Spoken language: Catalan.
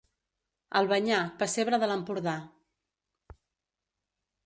Albanyà, pessebre de l'Empordà.